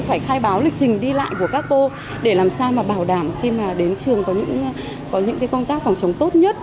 phải khai báo lịch trình đi lại của các cô để làm sao mà bảo đảm khi mà đến trường có những công tác phòng chống tốt nhất